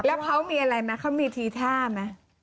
แล้วเขามีอะไรมั้ยเขามีทีท่ามั้ย